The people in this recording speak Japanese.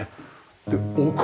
で奥。